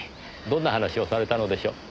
どんな話をされたのでしょう？